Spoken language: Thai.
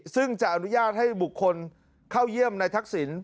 ซึ่งจะอนุญาตให้บุคคลเข้าเยี่ยมในทักษิณ